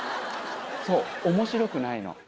そう面白くないの。